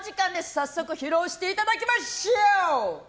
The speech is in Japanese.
早速、披露していただきましょう。